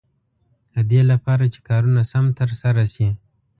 د دې لپاره چې کارونه سم تر سره شي.